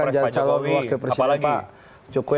jadi calon wakil presiden pak jokowi